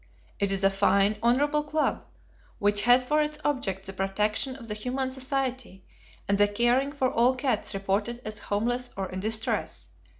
It is a fine, honorable club, which has for its objects the protection of the Humane Society and the caring for all cats reported as homeless or in distress.